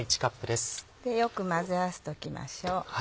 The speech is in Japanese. よく混ぜ合わせておきましょう。